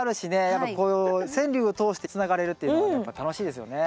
やっぱこう川柳を通してつながれるっていうのはやっぱ楽しいですよね。